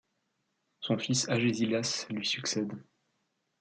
Son fils Agésilas lui succède.